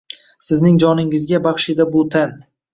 Sizning joningizga baxshida bu tan